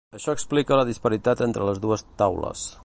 Això explica la disparitat entre les dues taules.